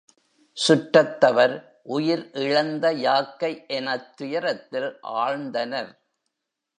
சுற்றத்தவர் உயிர் இழந்த யாக்கை எனத் துயரத்தில் ஆழ்ந்தனர்.